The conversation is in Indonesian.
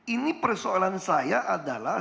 ini persoalan saya adalah